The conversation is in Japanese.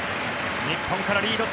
日本からリード。